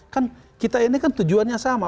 kan kita ini kan tujuannya sama